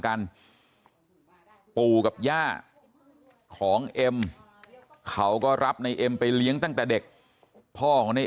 กันปู่กับย่าของเอ็มเขาก็รับในเอ็มไปเลี้ยงตั้งแต่เด็กพ่อของใน